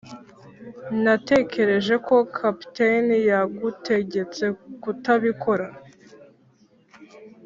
natekereje ko capitaine yagutegetse kutabikora.